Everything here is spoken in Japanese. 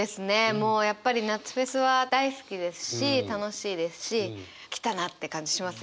もうやっぱり夏フェスは大好きですし楽しいですし来たなって感じしますよね。